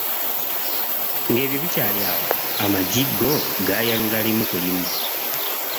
Ng'ebyo bikyali awo, amaggi ggo gaayalula limu ku limu.